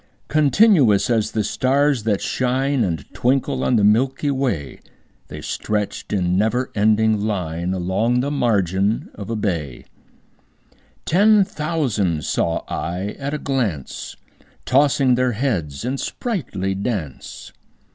Continuous as the stars that shine And twinkle on the milky way, The stretched in never ending line Along the margin of a bay: Ten thousand saw I at a glance, Tossing their heads in sprightly dance.